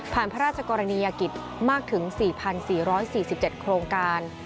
พระราชกรณียกิจมากถึง๔๔๔๔๗โครงการ